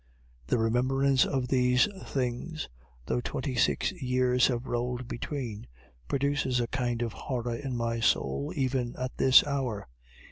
The remembrance of these things, though twenty six years have rolled between, produces a kind of horror in my soul even at this hour.